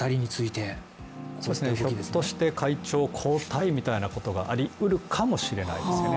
ひょっとして会長交代みたいなことがありうるかもしれないですね。